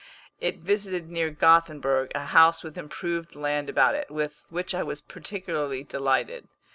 I visited, near Gothenburg, a house with improved land about it, with which I was particularly delighted.